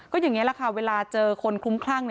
ก็อย่างนี้แหละค่ะเวลาเจอคนคลุ้มคลั่ง